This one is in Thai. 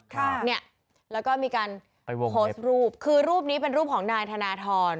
ค่ะเนี่ยแล้วก็มีการไปโพสต์รูปคือรูปนี้เป็นรูปของนายธนทร